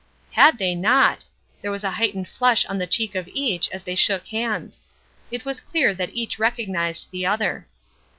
Had they not! There was a heightened flush on the cheek of each as they shook hands. It was clear that each recognized the other.